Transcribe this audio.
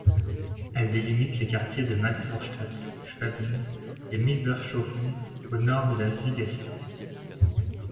Elle délimite les quartiers de Maxvorstadt, Schwabing et Milbertshofen au nord de la Siegestor.